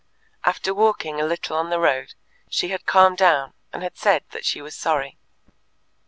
After walking a little on the road, she had calmed down and had said that she was sorry.